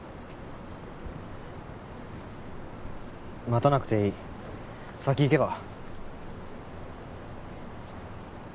待たなくていい先行けば？